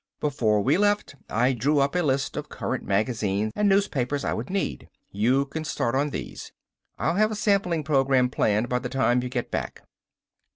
"Before we left I drew up a list of current magazines and newspapers I would need. You can start on these. I'll have a sampling program planned by the time you get back."